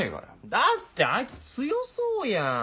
だってあいつ強そうやん。